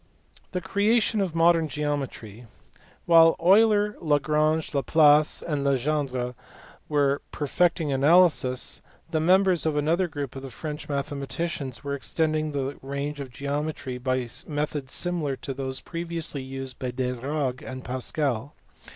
The creation of modern geometry. While Euler, Lagraiige, Laplace, and Legendre were per fecting analysis, the members of another group of French mathematicians were extending the range of geometry by methods similar to those previously used by Desargues and Pascal.